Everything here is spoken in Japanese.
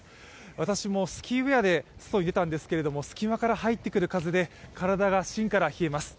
私もスキーウエアで外に出たんですけども隙間から入ってくる風で体が芯から冷えます。